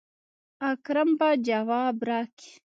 اکرم به جواب راکي.